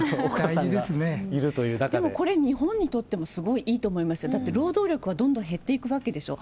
でもこれ、日本にとってもすごいいいと思いますよ、だって労働力はどんどん減っていくわけでしょ。